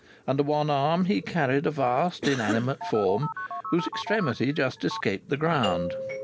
Under one arm he carried a vast inanimate form whose extremity just escaped the ground.